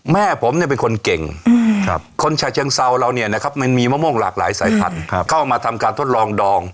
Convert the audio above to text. แม่ผมเป็นคนเก่งคนชาเชียงเศร้าเรามีมะม่วงหลากหลายสายพันธุ์เข้ามาทำการทดลองดอง